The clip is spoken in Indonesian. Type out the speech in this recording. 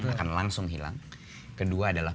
akan langsung hilang kedua adalah